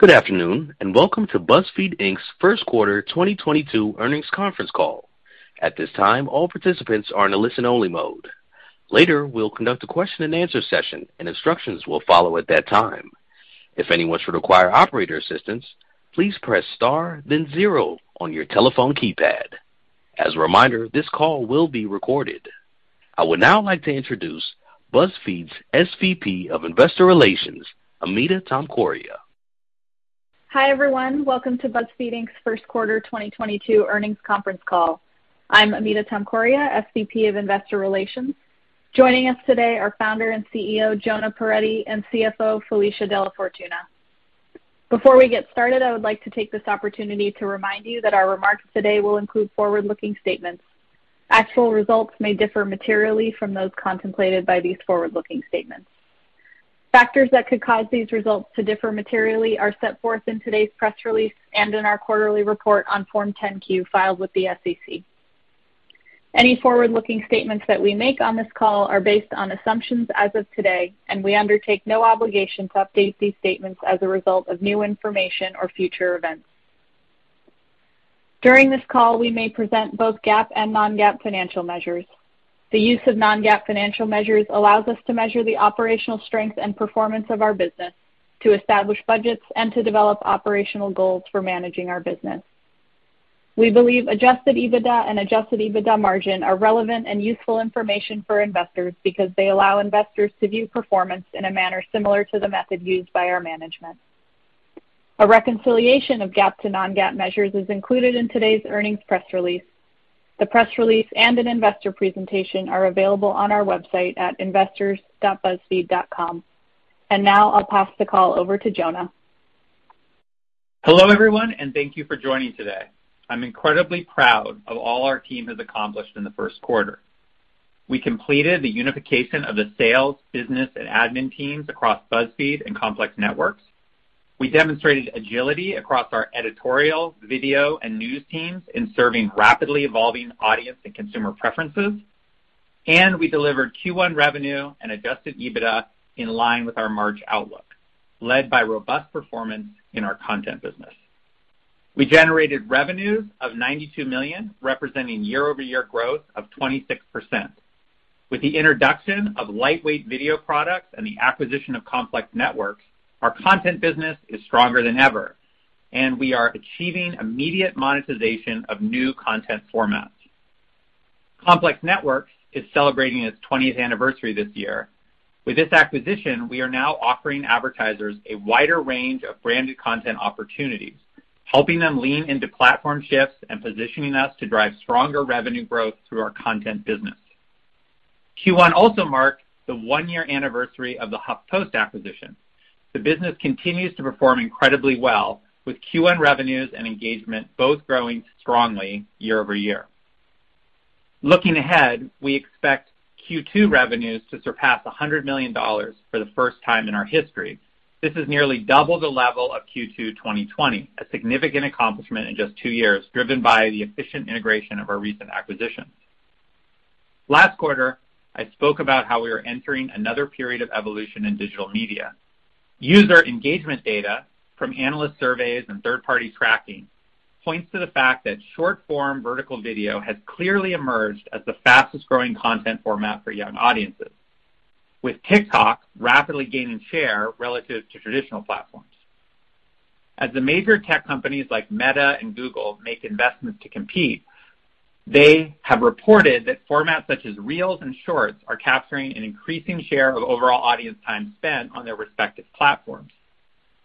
Good afternoon, and welcome to BuzzFeed, Inc.'s first quarter 2022 earnings conference call. At this time, all participants are in a listen-only mode. Later, we'll conduct a question-and-answer session, and instructions will follow at that time. If anyone should require operator assistance, please press star then zero on your telephone keypad. As a reminder, this call will be recorded. I would now like to introduce BuzzFeed's SVP of Investor Relations, Amita Tomkoria. Hi, everyone. Welcome to BuzzFeed Inc's first-quarter 2022 earnings conference call. I'm Amita Tomkoria, Senior Vice President of Investor Relations. Joining us today are founder and Chief Executive Officer, Jonah Peretti, and Chief Financial Officer, Felicia DellaFortuna. Before we get started, I would like to take this opportunity to remind you that our remarks today will include forward-looking statements. Actual results may differ materially from those contemplated by these forward-looking statements. Factors that could cause these results to differ materially are set forth in today's press release and in our quarterly report on Form 10-Q filed with the SEC. Any forward-looking statements that we make on this call are based on assumptions as of today, and we undertake no obligation to update these statements as a result of new information or future events. During this call, we may present both GAAP and Non-GAAP financial measures. The use of Non-GAAP financial measures allows us to measure the operational strength and performance of our business, to establish budgets and to develop operational goals for managing our business. We believe Adjusted EBITDA and Adjusted EBITDA margin are relevant and useful information for investors because they allow investors to view performance in a manner similar to the method used by our management. A reconciliation of GAAP to Non-GAAP measures is included in today's earnings press release. The press release and an investor presentation are available on our website at investors.buzzfeed.com. Now I'll pass the call over to Jonah. Hello, everyone, and thank you for joining today. I'm incredibly proud of all our team has accomplished in the first quarter. We completed the unification of the sales, business, and admin teams across BuzzFeed and Complex Networks. We demonstrated agility across our editorial, video, and news teams in serving rapidly evolving audience and consumer preferences. We delivered Q1 revenue and Adjusted EBITDA in line with our March outlook, led by robust performance in our content business. We generated revenue of $92 million, representing year-over-year growth of 26%. With the introduction of lightweight video products and the acquisition of Complex Networks, our content business is stronger than ever, and we are achieving immediate monetization of new content formats. Complex Networks is celebrating its 20th anniversary this year. With this acquisition, we are now offering advertisers a wider range of branded content opportunities, helping them lean into platform shifts and positioning us to drive stronger revenue growth through our content business. Q1 also marked the one-year anniversary of the HuffPost acquisition. The business continues to perform incredibly well, with Q1 revenues and engagement both growing strongly year-over-year. Looking ahead, we expect Q2 revenues to surpass $100 million for the first time in our history. This is nearly double the level of Q2 2020, a significant accomplishment in just two years, driven by the efficient integration of our recent acquisitions. Last quarter, I spoke about how we are entering another period of evolution in digital media. User engagement data from analyst surveys and third-party tracking points to the fact that short-form vertical video has clearly emerged as the fastest-growing content format for young audiences, with TikTok rapidly gaining share relative to traditional platforms. As the major tech companies like Meta and Google make investments to compete, they have reported that formats such as Reels and Shorts are capturing an increasing share of overall audience time spent on their respective platforms.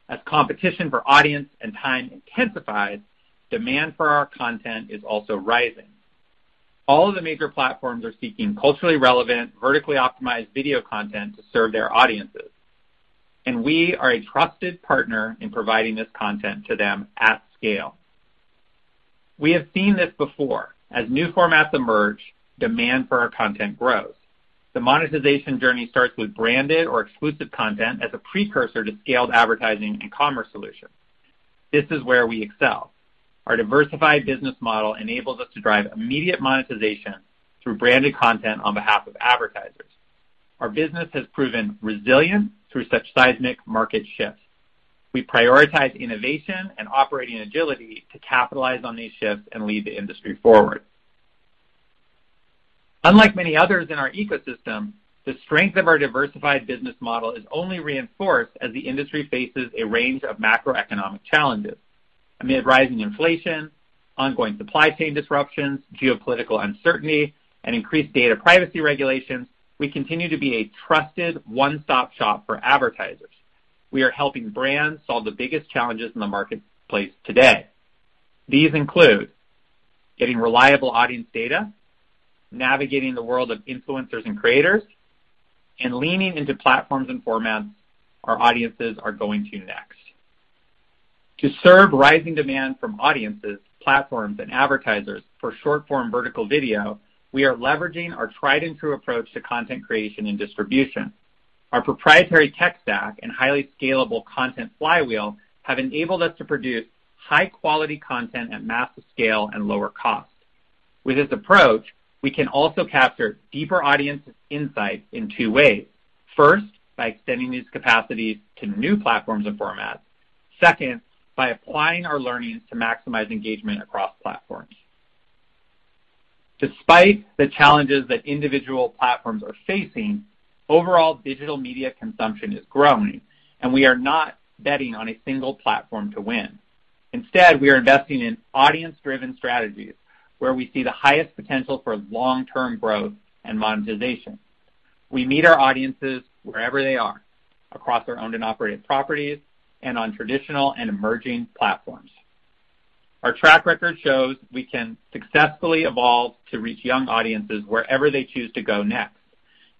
As competition for audience and time intensifies, demand for our content is also rising. All of the major platforms are seeking culturally relevant, vertically optimized video content to serve their audiences, and we are a trusted partner in providing this content to them at scale. We have seen this before. As new formats emerge, demand for our content grows. The monetization journey starts with branded or exclusive content as a precursor to scaled advertising and commerce solutions. This is where we excel. Our diversified business model enables us to drive immediate monetization through branded content on behalf of advertisers. Our business has proven resilient through such seismic market shifts. We prioritize innovation and operating agility to capitalize on these shifts and lead the industry forward. Unlike many others in our ecosystem, the strength of our diversified business model is only reinforced as the industry faces a range of macroeconomic challenges. Amid rising inflation, ongoing supply chain disruptions, geopolitical uncertainty, and increased data privacy regulations, we continue to be a trusted one-stop shop for advertisers. We are helping brands solve the biggest challenges in the marketplace today. These include getting reliable audience data, navigating the world of influencers and creators, and leaning into platforms and formats our audiences are going to next. To serve rising demand from audiences, platforms, and advertisers for short-form vertical video, we are leveraging our tried and true approach to content creation and distribution. Our proprietary tech stack and highly scalable content flywheel have enabled us to produce high-quality content at massive scale and lower cost. With this approach, we can also capture deeper audience insight in two ways. First, by extending these capacities to new platforms and formats. Second, by applying our learnings to maximize engagement across platforms. Despite the challenges that individual platforms are facing, overall digital media consumption is growing, and we are not betting on a single platform to win. Instead, we are investing in audience-driven strategies where we see the highest potential for long-term growth and monetization. We meet our audiences wherever they are, across our owned and operated properties and on traditional and emerging platforms. Our track record shows we can successfully evolve to reach young audiences wherever they choose to go next.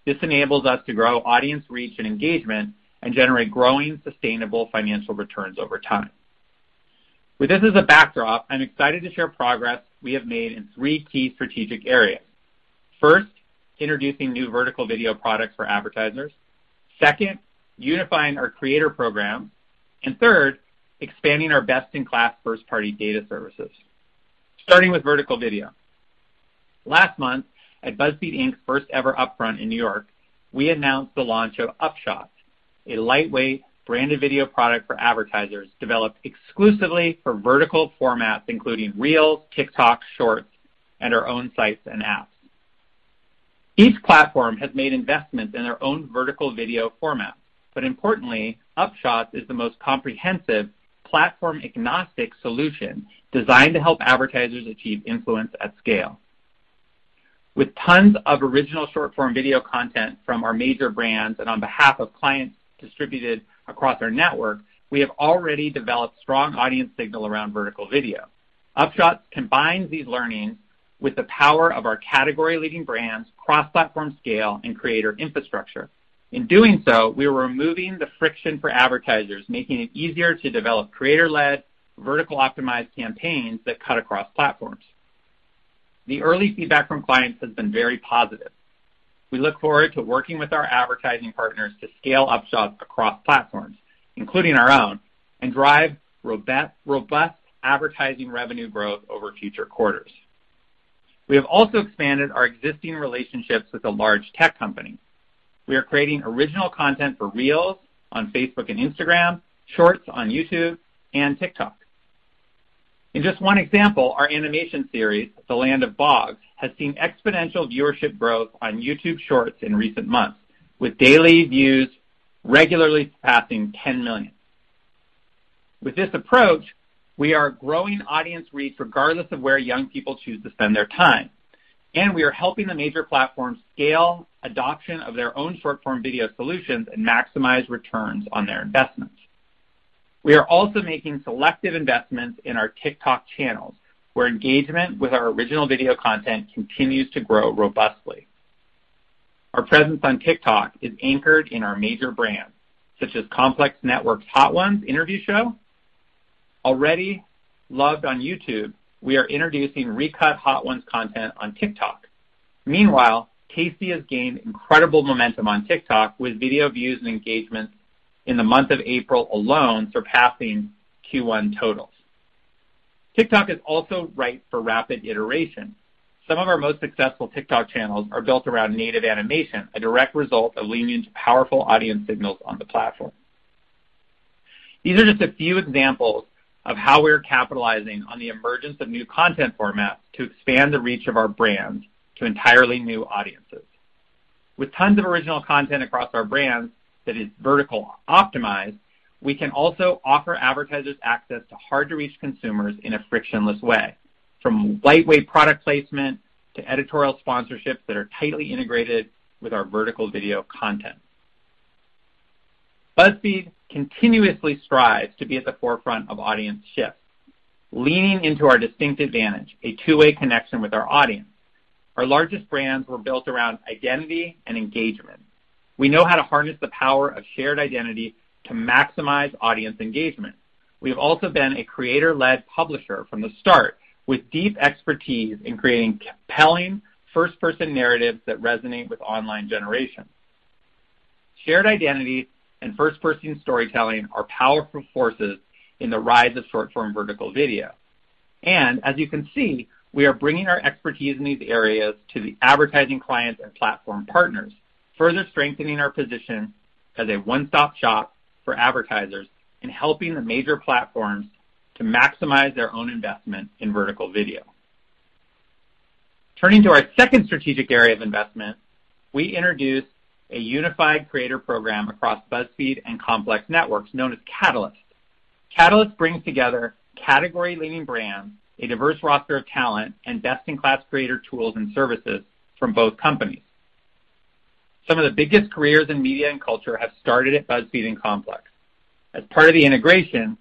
This enables us to grow audience reach and engagement and generate growing, sustainable financial returns over time. With this as a backdrop, I'm excited to share progress we have made in three key strategic areas. First, introducing new vertical video products for advertisers. Second, unifying our creator program. Third, expanding our best-in-class first-party data services. Starting with vertical video. Last month at BuzzFeed, Inc.'s first-ever NewFronts in New York, we announced the launch of Upshot, a lightweight branded video product for advertisers developed exclusively for vertical formats, including Reels, TikTok, Shorts, and our own sites and apps. Each platform has made investments in their own vertical video format, but importantly, Upshot is the most comprehensive platform-agnostic solution designed to help advertisers achieve influence at scale. With tons of original short-form video content from our major brands and on behalf of clients distributed across our network, we have already developed strong audience signal around vertical video. Upshot combines these learnings with the power of our category-leading brands, cross-platform scale, and creator infrastructure. In doing so, we are removing the friction for advertisers, making it easier to develop creator-led, vertical optimized campaigns that cut across platforms. The early feedback from clients has been very positive. We look forward to working with our advertising partners to scale Upshot across platforms, including our own, and drive robust advertising revenue growth over future quarters. We have also expanded our existing relationships with a large tech company. We are creating original content for Reels on Facebook and Instagram, Shorts on YouTube and TikTok. In just one example, our animation series, The Land of Boggs, has seen exponential viewership growth on YouTube Shorts in recent months, with daily views regularly surpassing 10 million. With this approach, we are growing audience reach regardless of where young people choose to spend their time, and we are helping the major platforms scale adoption of their own short-form video solutions and maximize returns on their investments. We are also making selective investments in our TikTok channels, where engagement with our original video content continues to grow robustly. Our presence on TikTok is anchored in our major brands, such as Complex Networks' Hot Ones interview show. Already loved on YouTube, we are introducing recut Hot Ones content on TikTok. Meanwhile, Tasty has gained incredible momentum on TikTok with video views and engagements in the month of April alone, surpassing Q1 totals. TikTok is also right for rapid iteration. Some of our most successful TikTok channels are built around native animation, a direct result of leaning into powerful audience signals on the platform. These are just a few examples of how we're capitalizing on the emergence of new content formats to expand the reach of our brands to entirely new audiences. With tons of original content across our brands that is vertical optimized, we can also offer advertisers access to hard-to-reach consumers in a frictionless way, from lightweight product placement to editorial sponsorships that are tightly integrated with our vertical video content. BuzzFeed continuously strives to be at the forefront of audience shifts, leaning into our distinct advantage, a two-way connection with our audience. Our largest brands were built around identity and engagement. We know how to harness the power of shared identity to maximize audience engagement. We've also been a creator-led publisher from the start with deep expertise in creating compelling first-person narratives that resonate with online generations. Shared identities and first-person storytelling are powerful forces in the rise of short-form vertical video. As you can see, we are bringing our expertise in these areas to the advertising clients and platform partners, further strengthening our position as a one-stop shop for advertisers and helping the major platforms to maximize their own investment in vertical video. Turning to our second strategic area of investment, we introduced a unified creator program across BuzzFeed and Complex Networks known as Catalyst. Catalyst brings together category-leading brands, a diverse roster of talent, and best-in-class creator tools and services from both companies. Some of the biggest careers in media and culture have started at BuzzFeed and Complex. As part of the integration,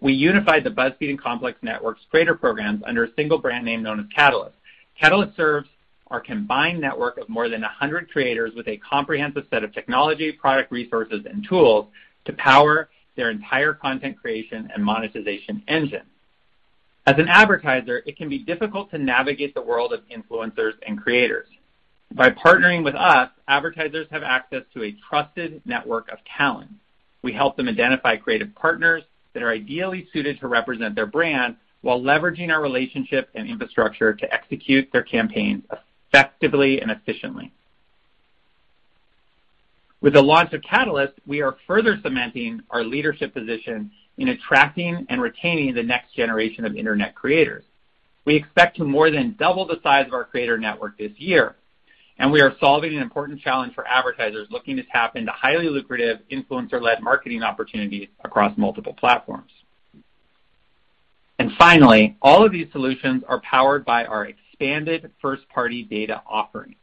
we unified the BuzzFeed and Complex Networks creator programs under a single brand name known as Catalyst. Catalyst serves our combined network of more than 100 creators with a comprehensive set of technology, product resources, and tools to power their entire content creation and monetization engine. As an advertiser, it can be difficult to navigate the world of influencers and creators. By partnering with us, advertisers have access to a trusted network of talent. We help them identify creative partners that are ideally suited to represent their brand while leveraging our relationship and infrastructure to execute their campaigns effectively and efficiently. With the launch of Catalyst, we are further cementing our leadership position in attracting and retaining the next generation of internet creators. We expect to more than double the size of our creator network this year, and we are solving an important challenge for advertisers looking to tap into highly lucrative influencer-led marketing opportunities across multiple platforms. Finally, all of these solutions are powered by our expanded first-party data offering.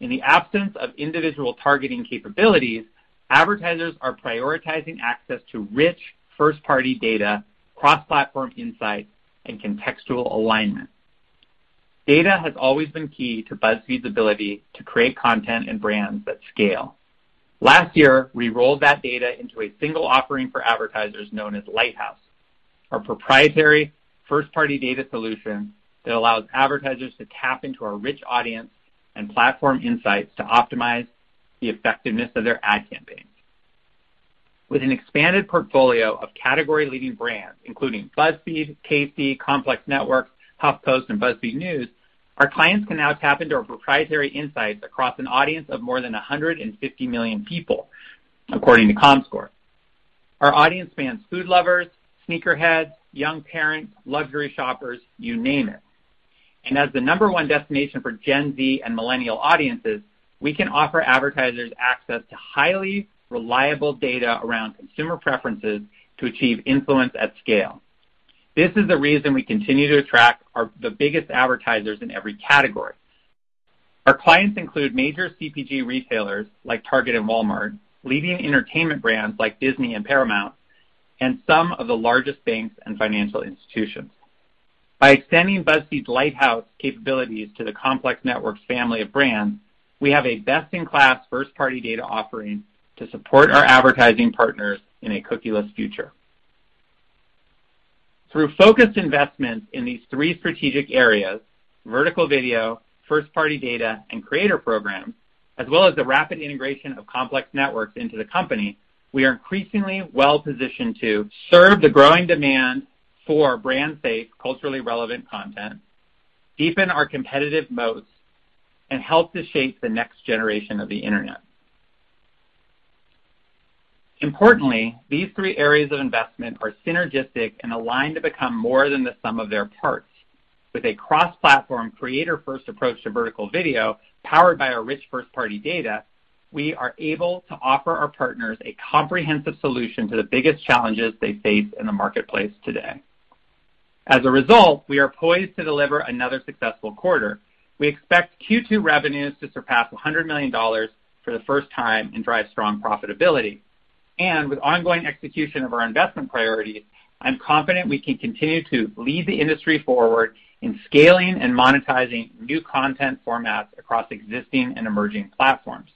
In the absence of individual targeting capabilities, advertisers are prioritizing access to rich first-party data, cross-platform insights, and contextual alignment. Data has always been key to BuzzFeed's ability to create content and brands that scale. Last year, we rolled that data into a single offering for advertisers known as Lighthouse, our proprietary first-party data solution that allows advertisers to tap into our rich audience and platform insights to optimize the effectiveness of their ad campaigns. With an expanded portfolio of category-leading brands including BuzzFeed, Tasty, Complex Networks, HuffPost, and BuzzFeed News, our clients can now tap into our proprietary insights across an audience of more than 150 million people according to Comscore. Our audience spans food lovers, sneakerheads, young parents, luxury shoppers, you name it. As the number one destination for Gen Z and millennial audiences, we can offer advertisers access to highly reliable data around consumer preferences to achieve influence at scale. This is the reason we continue to attract the biggest advertisers in every category. Our clients include major CPG retailers like Target and Walmart, leading entertainment brands like Disney and Paramount, and some of the largest banks and financial institutions. By extending BuzzFeed's Lighthouse capabilities to the Complex Networks family of brands, we have a best-in-class first-party data offering to support our advertising partners in a cookieless future. Through focused investments in these three strategic areas, vertical video, first-party data, and creator programs, as well as the rapid integration of Complex Networks into the company, we are increasingly well-positioned to serve the growing demand for brand-safe, culturally relevant content, deepen our competitive moats, and help to shape the next generation of the Internet. Importantly, these three areas of investment are synergistic and aligned to become more than the sum of their parts. With a cross-platform creator-first approach to vertical video powered by our rich first-party data, we are able to offer our partners a comprehensive solution to the biggest challenges they face in the marketplace today. As a result, we are poised to deliver another successful quarter. We expect Q2 revenues to surpass $100 million for the first time and drive strong profitability. With ongoing execution of our investment priorities, I'm confident we can continue to lead the industry forward in scaling and monetizing new content formats across existing and emerging platforms.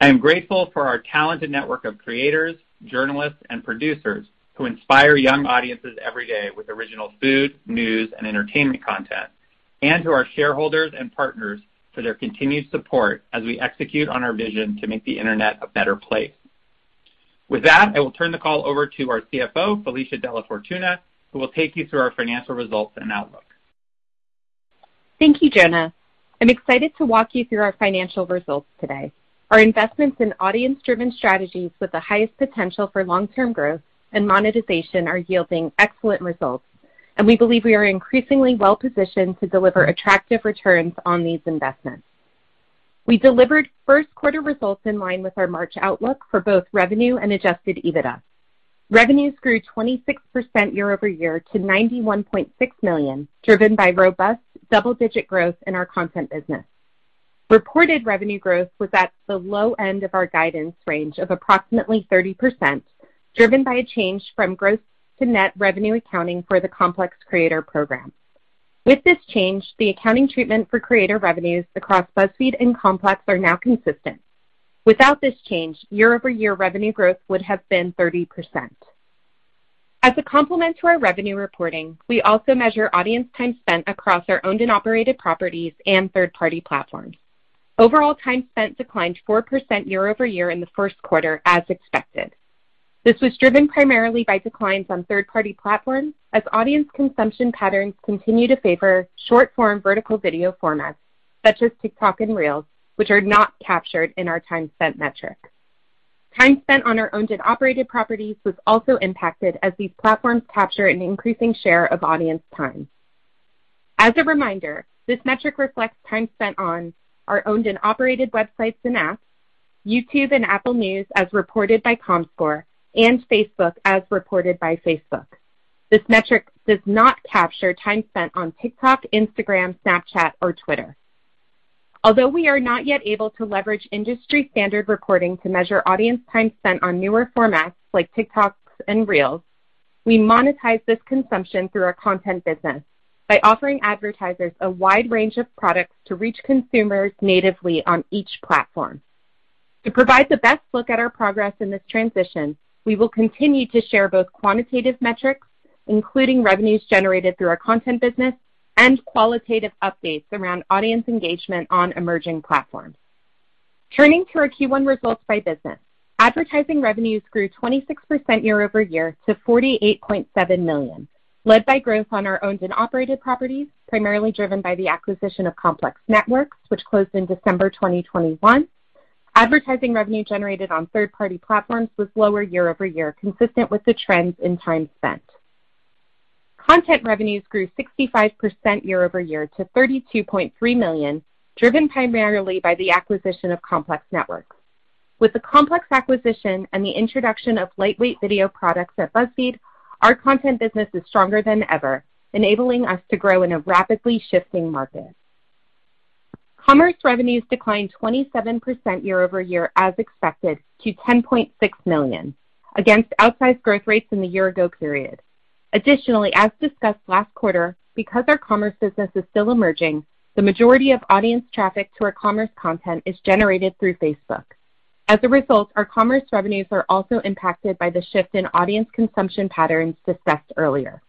I am grateful for our talented network of creators, journalists, and producers who inspire young audiences every day with original food, news and entertainment content, and to our shareholders and partners for their continued support as we execute on our vision to make the internet a better place. With that, I will turn the call over to our CFO, Felicia DellaFortuna, who will take you through our financial results and outlook. Thank you, Jonah. I'm excited to walk you through our financial results today. Our investments in audience-driven strategies with the highest potential for long-term growth and monetization are yielding excellent results, and we believe we are increasingly well positioned to deliver attractive returns on these investments. We delivered first quarter results in line with our March outlook for both revenue and Adjusted EBITDA. Revenues grew 26% year-over-year to $91.6 million, driven by robust double-digit growth in our content business. Reported revenue growth was at the low end of our guidance range of approximately 30%, driven by a change from gross to net revenue accounting for the Complex creator program. With this change, the accounting treatment for creator revenues across BuzzFeed and Complex are now consistent. Without this change, year-over-year revenue growth would have been 30%. As a complement to our revenue reporting, we also measure audience time spent across our owned and operated properties and third-party platforms. Overall, time spent declined 4% year-over-year in the first quarter as expected. This was driven primarily by declines on third-party platforms as audience consumption patterns continue to favor short-form vertical video formats such as TikTok and Reels, which are not captured in our time spent metric. Time spent on our owned and operated properties was also impacted as these platforms capture an increasing share of audience time. As a reminder, this metric reflects time spent on our owned and operated websites and apps, YouTube and Apple News as reported by Comscore, and Facebook as reported by Facebook. This metric does not capture time spent on TikTok, Instagram, Snapchat, or Twitter. Although we are not yet able to leverage industry standard reporting to measure audience time spent on newer formats like TikToks and Reels, we monetize this consumption through our content business by offering advertisers a wide range of products to reach consumers natively on each platform. To provide the best look at our progress in this transition, we will continue to share both quantitative metrics, including revenues generated through our content business and qualitative updates around audience engagement on emerging platforms. Turning to our Q1 results by business. Advertising revenues grew 26% year-over-year to $48.7 million, led by growth on our owned and operated properties, primarily driven by the acquisition of Complex Networks, which closed in December 2021. Advertising revenue generated on third-party platforms was lower year-over-year, consistent with the trends in time spent. Content revenues grew 65% year-over-year to $32.3 million, driven primarily by the acquisition of Complex Networks. With the Complex acquisition and the introduction of lightweight video products at BuzzFeed, our content business is stronger than ever, enabling us to grow in a rapidly shifting market. Commerce revenues declined 27% year-over-year as expected to $10.6 million against outsized growth rates in the year ago period. Additionally, as discussed last quarter, because our commerce business is still emerging, the majority of audience traffic to our commerce content is generated through Facebook. As a result, our commerce revenues are also impacted by the shift in audience consumption patterns discussed earlier.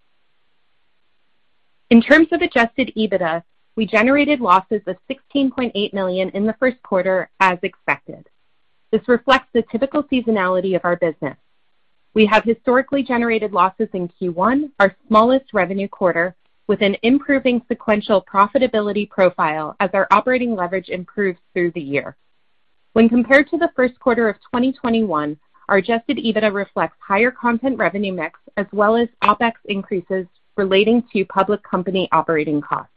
In terms of Adjusted EBITDA, we generated losses of $16.8 million in the first quarter as expected. This reflects the typical seasonality of our business. We have historically generated losses in Q1, our smallest revenue quarter, with an improving sequential profitability profile as our operating leverage improves through the year. When compared to the first quarter of 2021, our adjusted EBITDA reflects higher content revenue mix, as well as OpEx increases relating to public company operating costs.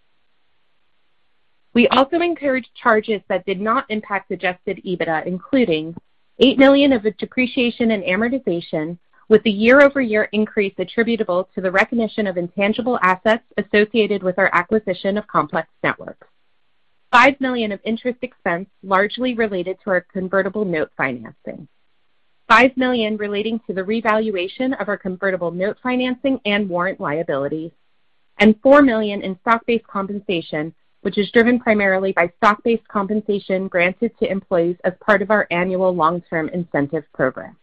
We also incurred charges that did not impact adjusted EBITDA, including $8 million of depreciation and amortization with the year-over-year increase attributable to the recognition of intangible assets associated with our acquisition of Complex Networks. $5 million of interest expense largely related to our convertible note financing. $5 million relating to the revaluation of our convertible note financing and warrant liability. Four million in stock-based compensation, which is driven primarily by stock-based compensation granted to employees as part of our annual long-term incentive program.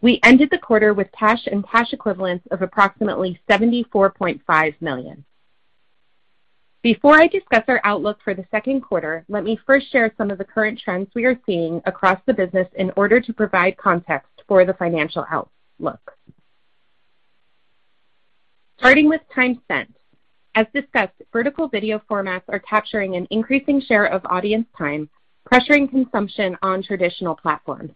We ended the quarter with cash and cash equivalents of approximately $74.5 million. Before I discuss our outlook for the second quarter, let me first share some of the current trends we are seeing across the business in order to provide context for the financial outlook. Starting with time spent. As discussed, vertical video formats are capturing an increasing share of audience time, pressuring consumption on traditional platforms.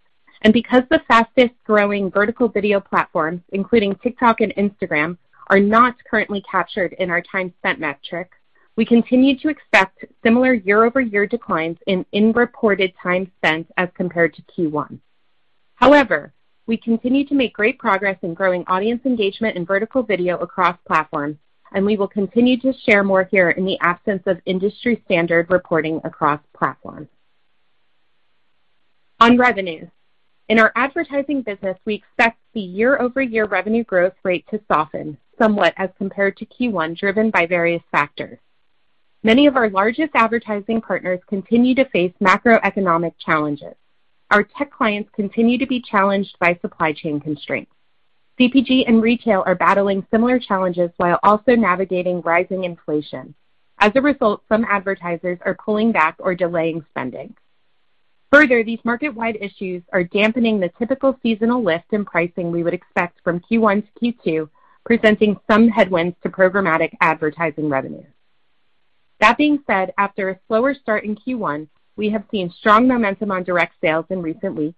Because the fastest-growing vertical video platforms, including TikTok and Instagram, are not currently captured in our time spent metric, we continue to expect similar year-over-year declines in reported time spent as compared to Q1. However, we continue to make great progress in growing audience engagement in vertical video across platforms, and we will continue to share more here in the absence of industry standard reporting across platforms. On revenue. In our advertising business, we expect the year-over-year revenue growth rate to soften somewhat as compared to Q1, driven by various factors. Many of our largest advertising partners continue to face macroeconomic challenges. Our tech clients continue to be challenged by supply chain constraints. CPG and retail are battling similar challenges while also navigating rising inflation. As a result, some advertisers are pulling back or delaying spending. Further, these market-wide issues are dampening the typical seasonal lift in pricing we would expect from Q1 to Q2, presenting some headwinds to programmatic advertising revenue. That being said, after a slower start in Q1, we have seen strong momentum on direct sales in recent weeks,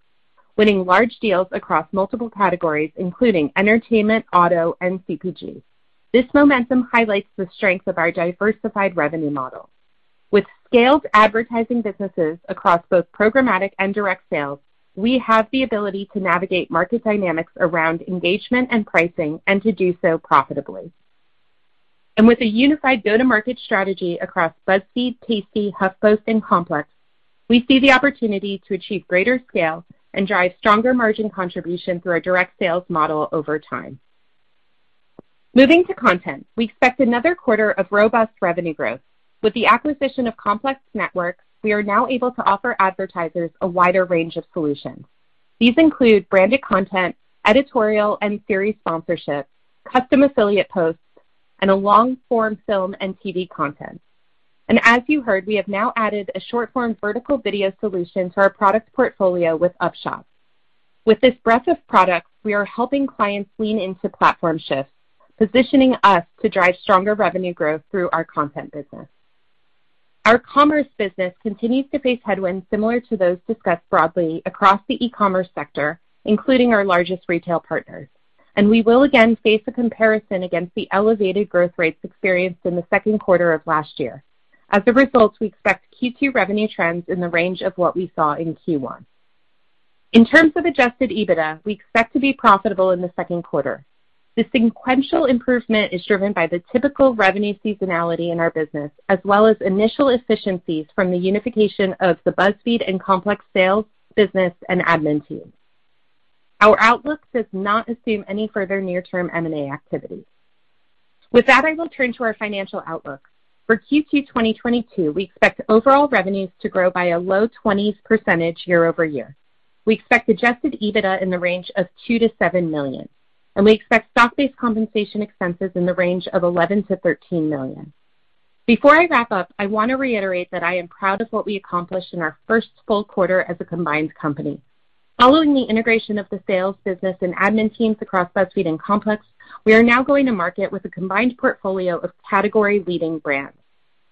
winning large deals across multiple categories, including entertainment, auto, and CPG. This momentum highlights the strength of our diversified revenue model. With scaled advertising businesses across both programmatic and direct sales, we have the ability to navigate market dynamics around engagement and pricing and to do so profitably. With a unified go-to-market strategy across BuzzFeed, Tasty, HuffPost, and Complex, we see the opportunity to achieve greater scale and drive stronger margin contribution through our direct sales model over time. Moving to content, we expect another quarter of robust revenue growth. With the acquisition of Complex Networks, we are now able to offer advertisers a wider range of solutions. These include branded content, editorial and series sponsorships, custom affiliate posts, and a long form film and television content. As you heard, we have now added a short form vertical video solution to our product portfolio with Upshot. With this breadth of products, we are helping clients lean into platform shifts, positioning us to drive stronger revenue growth through our content business. Our commerce business continues to face headwinds similar to those discussed broadly across the e-commerce sector, including our largest retail partners. We will again face a comparison against the elevated growth rates experienced in the second quarter of last year. As a result, we expect Q2 revenue trends in the range of what we saw in Q1. In terms of Adjusted EBITDA, we expect to be profitable in the second quarter. The sequential improvement is driven by the typical revenue seasonality in our business, as well as initial efficiencies from the unification of the BuzzFeed and Complex sales business and admin teams. Our outlook does not assume any further near-term M&A activity. With that, I will turn to our financial outlook. For Q2 2022, we expect overall revenues to grow by a low 20s% year-over-year. We expect Adjusted EBITDA in the range of $2 million-$7 million, and we expect stock-based compensation expenses in the range of $11 million-$13 million. Before I wrap up, I wanna reiterate that I am proud of what we accomplished in our first full quarter as a combined company. Following the integration of the sales business and admin teams across BuzzFeed and Complex, we are now going to market with a combined portfolio of category-leading brands.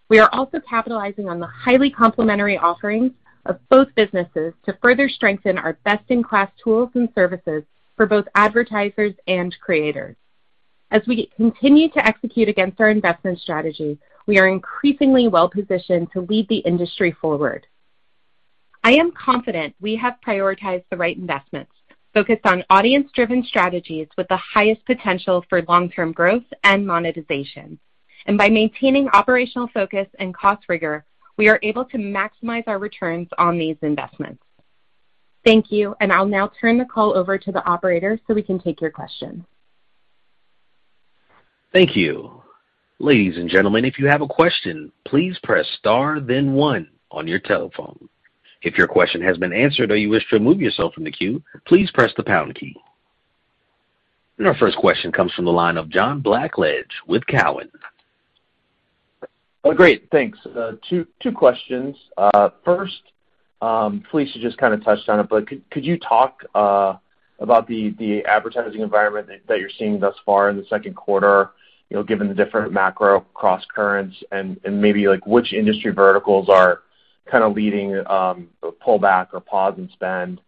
We are also capitalizing on the highly complementary offerings of both businesses to further strengthen our best-in-class tools and services for both advertisers and creators. As we continue to execute against our investment strategy, we are increasingly well-positioned to lead the industry forward. I am confident we have prioritized the right investments, focused on audience-driven strategies with the highest potential for long-term growth and monetization. By maintaining operational focus and cost rigor, we are able to maximize our returns on these investments. Thank you, and I'll now turn the call over to the operator, so we can take your questions. Thank you. Ladies and gentlemen, if you have a question, please press star then one on your telephone. If your question has been answered or you wish to remove yourself from the queue, please press the pound key. Our first question comes from the line of John Blackledge with Cowen. Oh, great. Thanks. Two questions. First, Felicia just kinda touched on it, but could you talk about the advertising environment that you're seeing thus far in the second quarter, you know, given the different macro crosscurrents and maybe, like, which industry verticals are kinda leading pullback or pause in spend?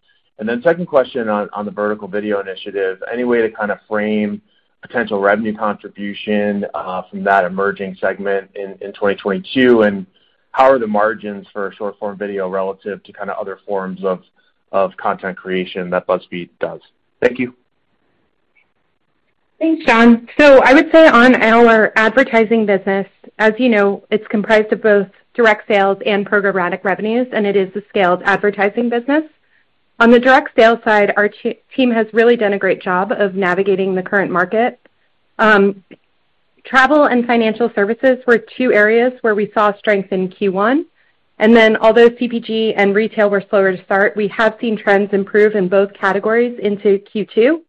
Second question on the vertical video initiative, any way to kinda frame potential revenue contribution from that emerging segment in 2022, and how are the margins for short-form video relative to kinda other forms of content creation that BuzzFeed does? Thank you. Thanks, John. I would say on our advertising business, as you know, it's comprised of both direct sales and programmatic revenues, and it is the scaled advertising business. On the direct sales side, our team has really done a great job of navigating the current market. Travel and financial services were two areas where we saw strength in Q1. Although CPG and retail were slower to start, we have seen trends improve in both categories into Q2.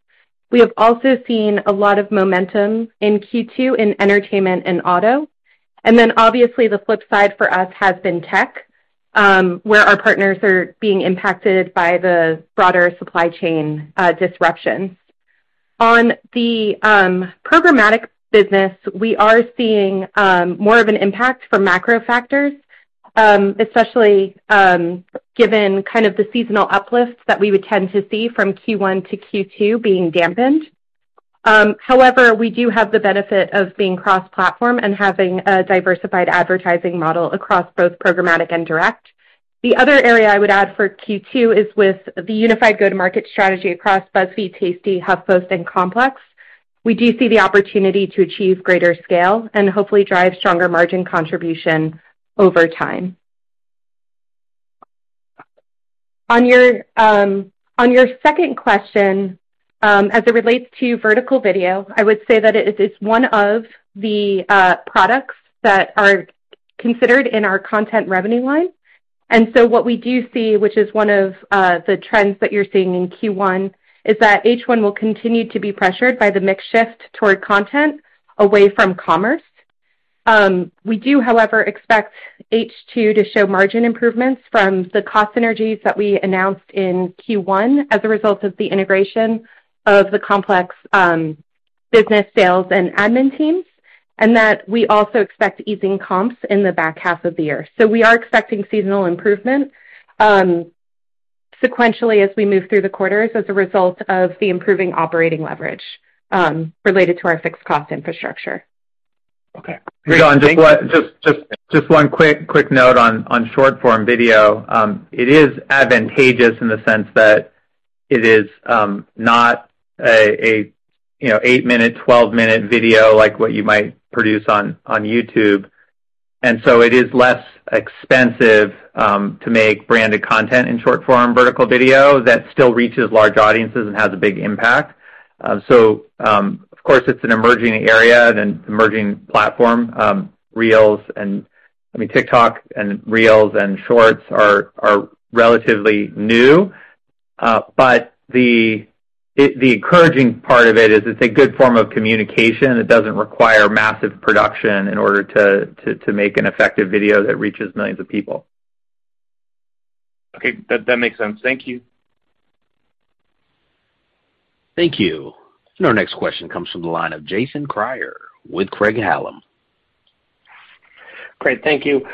We have also seen a lot of momentum in Q2 in entertainment and auto. Obviously, the flip side for us has been tech, where our partners are being impacted by the broader supply chain disruptions. On the programmatic business, we are seeing more of an impact from macro factors, especially, given kind of the seasonal uplifts that we would tend to see from Q1 to Q2 being dampened. However, we do have the benefit of being cross-platform and having a diversified advertising model across both programmatic and direct. The other area I would add for Q2 is with the unified go-to-market strategy across BuzzFeed, Tasty, HuffPost, and Complex. We do see the opportunity to achieve greater scale and hopefully drive stronger margin contribution over time. On your second question, as it relates to vertical video, I would say that it is one of the products that are considered in our content revenue line. What we do see, which is one of the trends that you're seeing in Q1, is that H1 will continue to be pressured by the mix shift toward content away from commerce. We do, however, expect H2 to show margin improvements from the cost synergies that we announced in Q1 as a result of the integration of the Complex business sales and admin teams, and that we also expect easing comps in the back half of the year. We are expecting seasonal improvement sequentially as we move through the quarters as a result of the improving operating leverage related to our fixed cost infrastructure. Okay. Thank you. Just one quick note on short-form video. It is advantageous in the sense that it is not a you know eight-minute, 12-minute video like what you might produce on YouTube. It is less expensive to make branded content in short-form vertical video that still reaches large audiences and has a big impact. Of course, it's an emerging area and an emerging platform. Reels and I mean TikTok and Reels and Shorts are relatively new. But the encouraging part of it is it's a good form of communication that doesn't require massive production in order to make an effective video that reaches millions of people. Okay. That makes sense. Thank you. Thank you. Our next question comes from the line of Jason Kreyer with Craig-Hallum. Great. Thank you.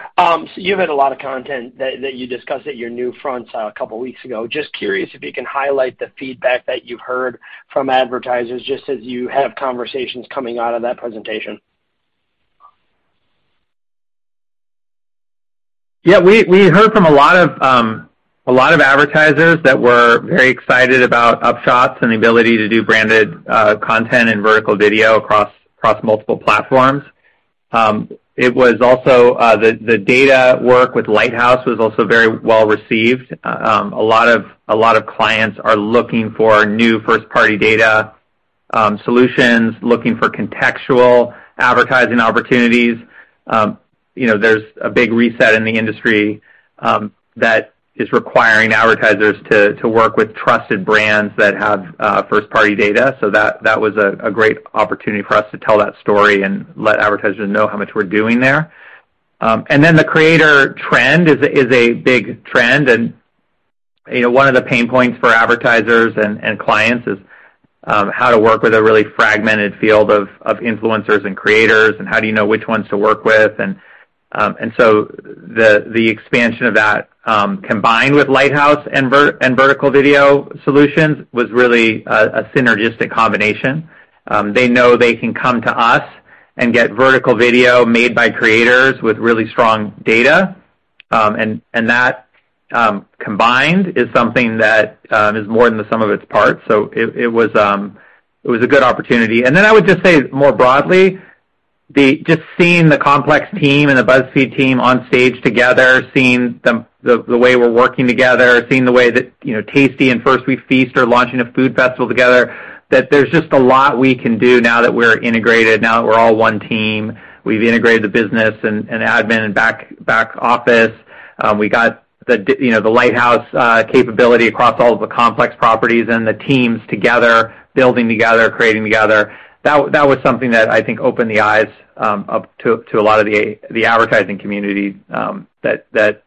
You had a lot of content that you discussed at your NewFronts a couple weeks ago. Just curious if you can highlight the feedback that you've heard from advertisers, just as you have conversations coming out of that presentation. Yeah. We heard from a lot of advertisers that were very excited about Upshot and the ability to do branded content and vertical video across multiple platforms. It was also. The data work with Lighthouse was also very well-received. A lot of clients are looking for new first-party data solutions, looking for contextual advertising opportunities. You know, there's a big reset in the industry that is requiring advertisers to work with trusted brands that have first-party data. That was a great opportunity for us to tell that story and let advertisers know how much we're doing there. Then the creator trend is a big trend. You know, one of the pain points for advertisers and clients is how to work with a really fragmented field of influencers and creators, and how do you know which ones to work with? The expansion of that combined with Lighthouse and vertical video solutions was really a synergistic combination. They know they can come to us and get vertical video made by creators with really strong data. That combined is something that is more than the sum of its parts. It was a good opportunity. Then I would just say more broadly, the Just seeing the Complex team and the BuzzFeed team on stage together, seeing the way we're working together, seeing the way that you know Tasty and First We Feast are launching a food festival together, that there's just a lot we can do now that we're integrated, now that we're all one team. We've integrated the business and admin and back office. We got the Lighthouse capability across all of the Complex properties and the teams together, building together, creating together. That was something that I think opened the eyes up to a lot of the advertising community, that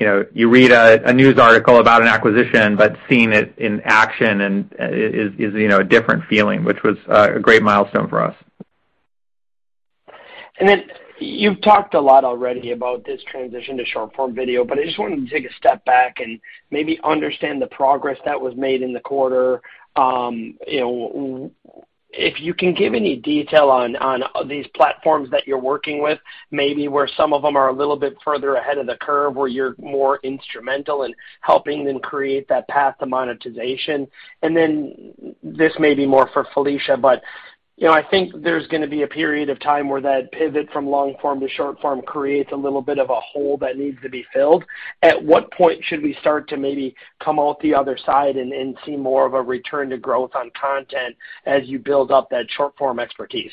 you know you read a news article about an acquisition, but seeing it in action is you know a different feeling, which was a great milestone for us. You've talked a lot already about this transition to short-form video, but I just wanted to take a step back and maybe understand the progress that was made in the quarter. You know, if you can give any detail on these platforms that you're working with, maybe where some of them are a little bit further ahead of the curve, where you're more instrumental in helping them create that path to monetization. This may be more for Felicia, but, you know, I think there's gonna be a period of time where that pivot from long-form to short-form creates a little bit of a hole that needs to be filled. At what point should we start to maybe come out the other side and see more of a return to growth on content as you build up that short-form expertise?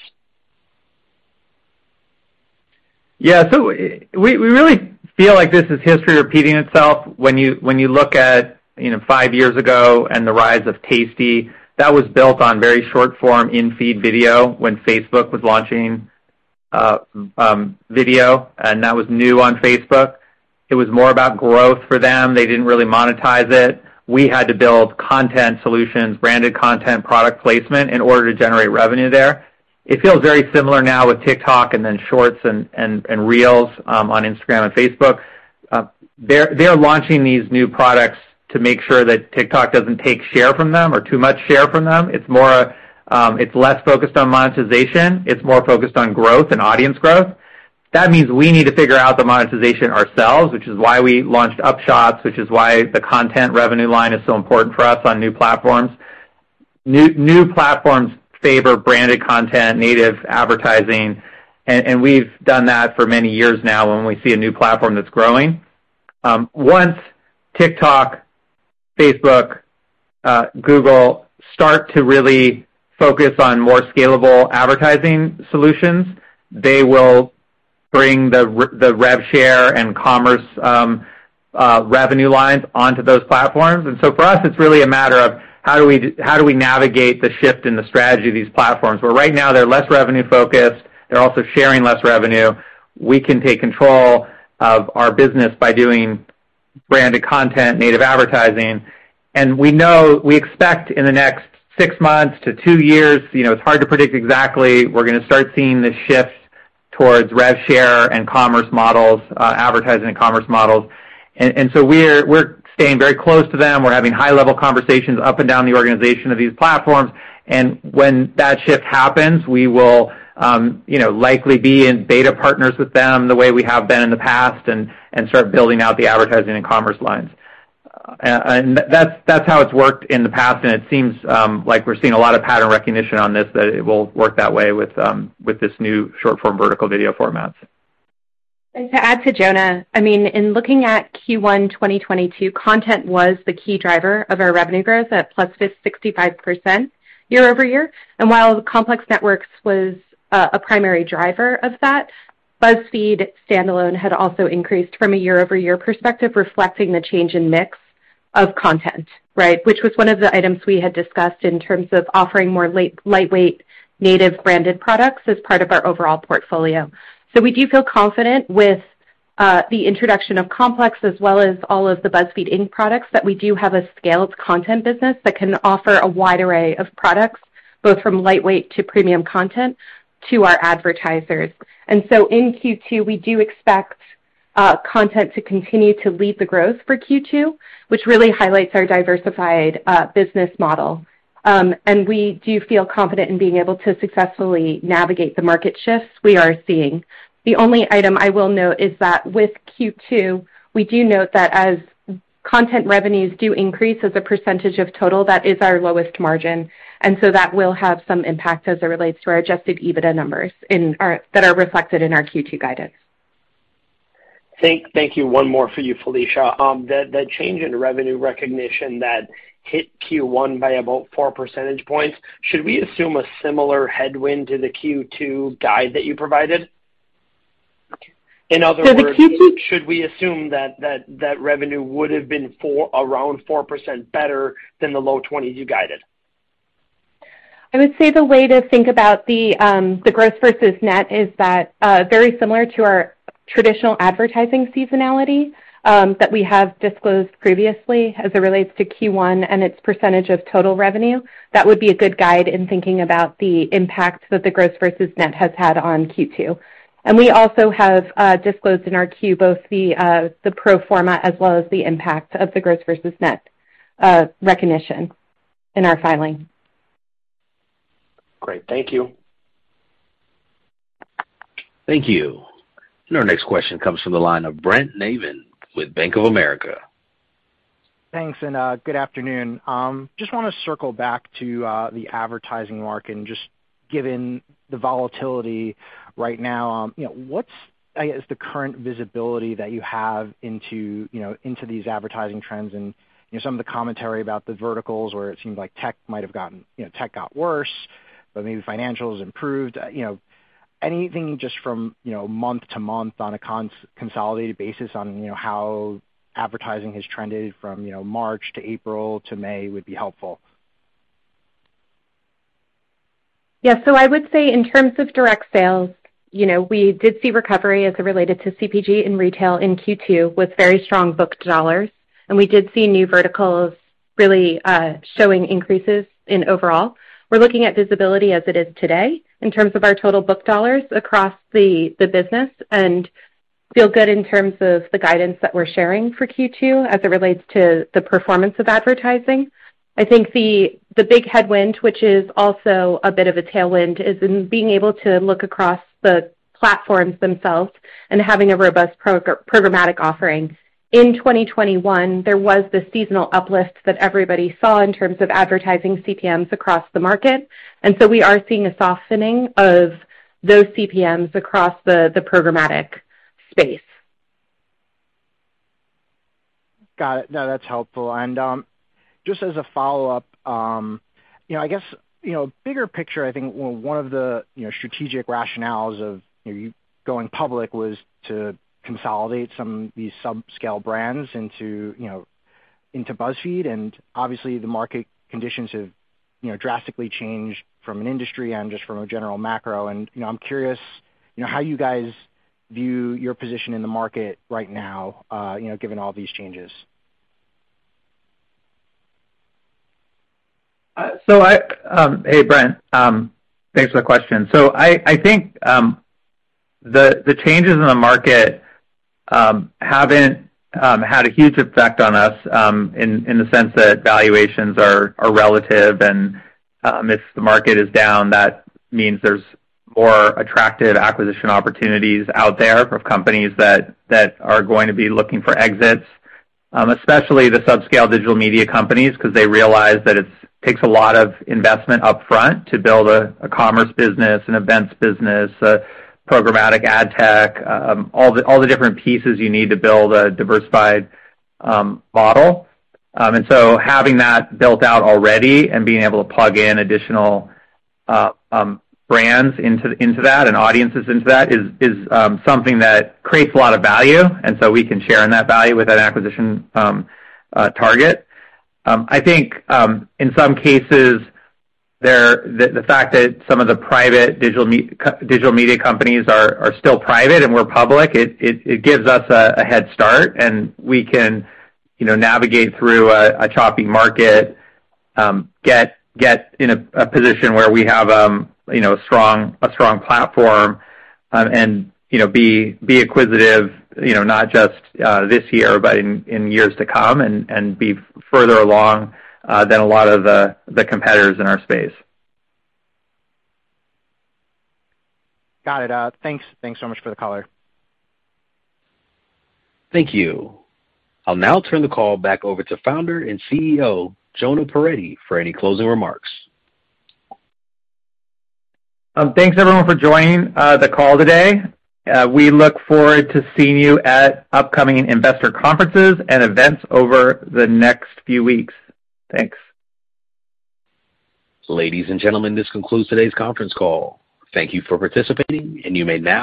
Yeah. We really feel like this is history repeating itself. When you look at, you know, five years ago and the rise of Tasty, that was built on very short-form in-feed video when Facebook was launching video, and that was new on Facebook. It was more about growth for them. They didn't really monetize it. We had to build content solutions, branded content, product placement in order to generate revenue there. It feels very similar now with TikTok and then Shorts and Reels on Instagram and Facebook. They're launching these new products to make sure that TikTok doesn't take share from them or too much share from them. It's more, it's less focused on monetization. It's more focused on growth and audience growth. That means we need to figure out the monetization ourselves, which is why we launched Upshot, which is why the content revenue line is so important for us on new platforms. New platforms favor branded content, native advertising, and we've done that for many years now when we see a new platform that's growing. Once TikTok, Facebook, Google start to really focus on more scalable advertising solutions, they will bring the rev share and commerce revenue lines onto those platforms. For us, it's really a matter of how do we navigate the shift in the strategy of these platforms? Where right now they're less revenue-focused, they're also sharing less revenue. We can take control of our business by doing branded content, native advertising. We know, we expect in the next six months to two years, you know, it's hard to predict exactly, we're gonna start seeing the shift towards rev share and commerce models, advertising and commerce models. We're staying very close to them. We're having high-level conversations up and down the organization of these platforms. When that shift happens, we will, you know, likely be in beta partners with them the way we have been in the past and start building out the advertising and commerce lines. That's how it's worked in the past, and it seems like we're seeing a lot of pattern recognition on this that it will work that way with this new short-form vertical video formats. To add to Jonah, I mean, in looking at Q1 2022, content was the key driver of our revenue growth at +65% year-over-year. While Complex Networks was a primary driver of that, BuzzFeed standalone had also increased from a year-over-year perspective, reflecting the change in mix of content, right? Which was one of the items we had discussed in terms of offering more lightweight native branded products as part of our overall portfolio. We do feel confident with the introduction of Complex as well as all of the BuzzFeed, Inc. products that we do have a scaled content business that can offer a wide array of products, both from lightweight to premium content to our advertisers. In Q2, we do expect content to continue to lead the growth for Q2, which really highlights our diversified business model. We do feel confident in being able to successfully navigate the market shifts we are seeing. The only item I will note is that with Q2, we do note that as content revenues do increase as a percentage of total. That is our lowest margin, and so that will have some impact as it relates to our Adjusted EBITDA numbers that are reflected in our Q2 guidance. Thank you. One more for you, Felicia. The change in revenue recognition that hit Q1 by about 4 percentage points, should we assume a similar headwind to the Q2 guide that you provided? In other words For the Q2. Should we assume that revenue would have been around 4% better than the low 20s you guided? I would say the way to think about the gross versus net is that very similar to our traditional advertising seasonality that we have disclosed previously as it relates to Q1 and its percentage of total revenue. That would be a good guide in thinking about the impact that the gross versus net has had on Q2. We also have disclosed in our 10-Q both the pro forma as well as the impact of the gross versus net recognition in our filing. Great. Thank you. Thank you. Our next question comes from the line of Brent Navon with Bank of America. Thanks and good afternoon. Just wanna circle back to the advertising market and just given the volatility right now, you know, what's, I guess, the current visibility that you have into, you know, into these advertising trends and, you know, some of the commentary about the verticals where it seems like tech might have gotten, you know, tech got worse, but maybe financials improved. You know, anything just from, you know, month to month on a consolidated basis on, you know, how advertising has trended from, you know, March to April to May would be helpful. Yeah. I would say in terms of direct sales, you know, we did see recovery as it related to CPG and retail in Q2 with very strong booked dollars. We did see new verticals really showing increases in overall. We're looking at visibility as it is today in terms of our total booked dollars across the business and feel good in terms of the guidance that we're sharing for Q2 as it relates to the performance of advertising. I think the big headwind, which is also a bit of a tailwind, is in being able to look across the platforms themselves and having a robust programmatic offering. In 2021, there was the seasonal uplift that everybody saw in terms of advertising CPMs across the market. We are seeing a softening of those CPMs across the programmatic space. Got it. No, that's helpful. Just as a follow-up, you know, I guess, you know, bigger picture, I think one of the, you know, strategic rationales of, you know, you going public was to consolidate some of these subscale brands into, you know, into BuzzFeed. Obviously the market conditions have, you know, drastically changed from an industry and just from a general macro. You know, I'm curious, you know, how you guys view your position in the market right now, you know, given all these changes. Hey, Brent. Thanks for the question. I think the changes in the market haven't had a huge effect on us in the sense that valuations are relative and if the market is down, that means there's more attractive acquisition opportunities out there for companies that are going to be looking for exits, especially the subscale digital media companies, 'cause they realize that it takes a lot of investment upfront to build a commerce business, an events business, a programmatic ad tech, all the different pieces you need to build a diversified model. Having that built out already and being able to plug in additional brands into that and audiences into that is something that creates a lot of value, and so we can share in that value with that acquisition target. I think in some cases the fact that some of the private digital media companies are still private and we're public, it gives us a head start, and we can, you know, navigate through a choppy market, get in a position where we have, you know, a strong platform, and, you know, be acquisitive, you know, not just this year, but in years to come and be further along than a lot of the competitors in our space. Got it. Thanks so much for the color. Thank you. I'll now turn the call back over to Founder and Chief Executive Officer, Jonah Peretti, for any closing remarks. Thanks everyone for joining the call today. We look forward to seeing you at upcoming investor conferences and events over the next few weeks. Thanks. Ladies and gentlemen, this concludes today's conference call. Thank you for participating, and you may now disconnect.